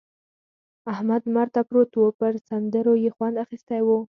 احمد لمر ته پروت وو؛ پر سندرو يې خوند اخيستی وو.